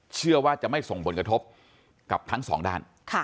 เชื่อว่าจะไม่ส่งผลกระทบกับทั้งสองด้าน